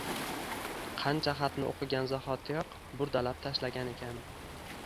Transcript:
qancha xatni o’qigan zahotiyoq burdalab tashlagan ekan?